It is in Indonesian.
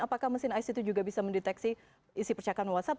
apakah mesin ice itu juga bisa mendeteksi isi percakapan whatsapp